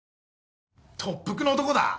特服の男だぁ？